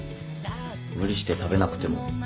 無理して食べなくても。